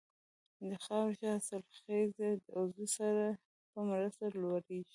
د خاورې ښه حاصلخېزي د عضوي سرې په مرسته لوړیږي.